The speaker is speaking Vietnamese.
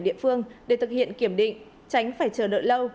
địa phương để thực hiện kiểm định tránh phải chờ đợi lâu